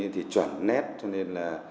thì chuẩn nét cho nên là